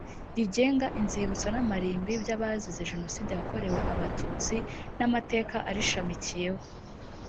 rigenga inzibutso n amarimbi by abazize jenoside yakorewe abatutsi n amateka arishamikiyeho